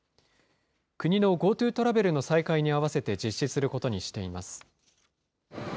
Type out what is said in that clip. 国のＧｏＴｏトラベルの再開に合わせて実施することにしています。